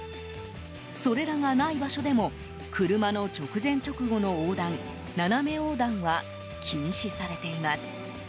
それらがない場所でも車の直前直後の横断斜め横断は禁止されています。